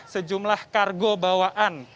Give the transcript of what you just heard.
sejumlah kargo bawaan